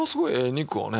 肉をね